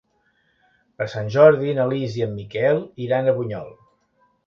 Per Sant Jordi na Lis i en Miquel iran a Bunyol.